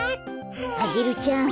アゲルちゃん